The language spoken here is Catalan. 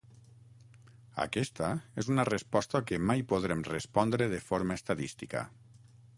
Aquesta és una resposta que mai podrem respondre de forma estadística.